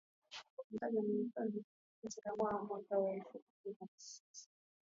Ambalo lilitakiwa lianze katikati mwa mwaka wa elfu mbili na tisa